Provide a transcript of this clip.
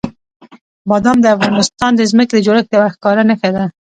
بادام د افغانستان د ځمکې د جوړښت یوه ښکاره نښه ده.